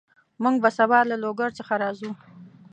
موږ به سبا له لوګر څخه راځو